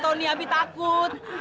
udah aku ikut